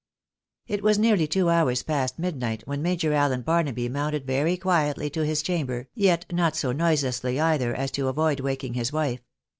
It was nearly two hours past midniglit when Major Allen Barnaby mounted very quietly to his chamber, yet not so noiselessly, either, as to avoid waking his wife.